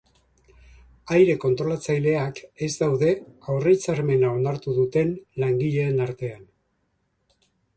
Aire-kontrolatzaileak ez daude aurrehitzarmena onartu dute langileen artean.